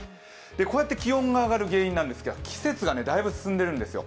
こうやって気温が上がる原因なんですけれども季節がだいぶ進んでいるんですよ。